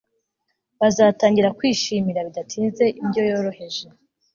bazatangira kwishimira bidatinze indyo yoroheje